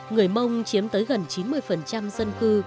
người mông chiếm tới gần chín mươi dân cư